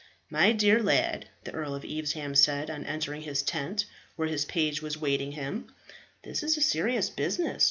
"My dear lad," the Earl of Evesham said on entering his tent where his page was waiting him, "this is a serious business.